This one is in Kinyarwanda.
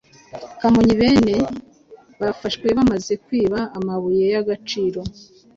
Kamonyi: Bane bafashwe bamaze kwiba amabuye y’agaciro